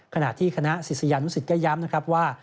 ขณะที่คณะศิษยานุสิตก็ย้ำนะครับว่า